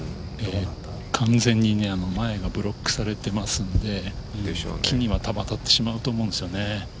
完全に前がブロックされてますので木に当たってしまうと思うんですよね。